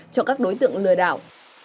cho các đối tượng lừa đảo